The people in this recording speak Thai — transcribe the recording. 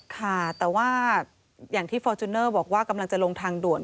ค่ะแต่ว่าอย่างที่ฟอร์จูเนอร์บอกว่ากำลังจะลงทางด่วน